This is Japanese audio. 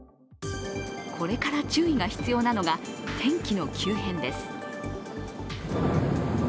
これから注意が必要なのが天気の急変です。